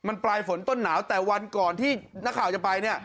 มันปลายฝนต้นหนาวแต่วันก่อนที่นักข่าวจะไปเนี่ย